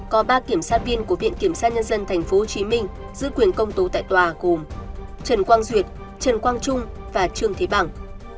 có ba kiểm sát viên của viện kiểm sát nhân dân tp hcm giữ quyền công tố tại tòa gồm trần quang duyệt trần quang trung và trương thế bằng